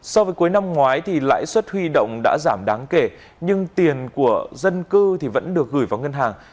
so với cuối năm ngoái thì lãi suất huy động đã giảm đáng kể nhưng tiền của dân cư vẫn được gửi vào ngân hàng